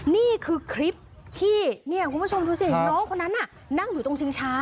นี่คือคลิปที่คุณผู้ชมรู้สึกน้องคนนั้นนั่งอยู่ตรงชิงช้า